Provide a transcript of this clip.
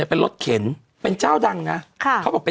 เอาพักก่อนเดี๋ยวช่วงหน้ากลับมาครับ